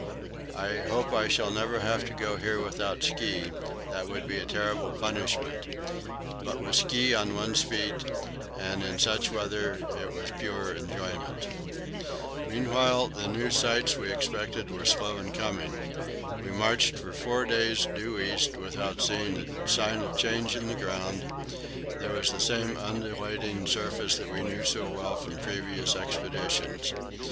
I hope I shall never have to go here without ski; that would be a terrible punishment; but with ski on one's feet and in such weather it was pure enjoyment. Meanwhile the new sights we expected were slow in coming. We marched for four days due east without seeing a sign of change in the ground; there was the same undulating surface that we knew so well from previous expeditions.